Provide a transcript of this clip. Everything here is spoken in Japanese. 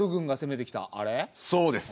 そうです。